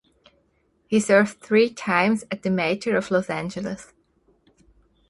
He served three times as the Mayor of Los Angeles.